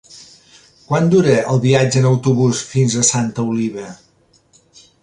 Quant dura el viatge en autobús fins a Santa Oliva?